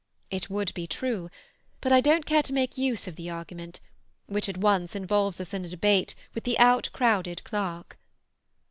It would be true, but I don't care to make use of the argument, which at once involves us in a debate with the out crowded clerk.